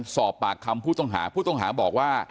ทีมข่าวเราก็พยายามสอบปากคำในแหบนะครับ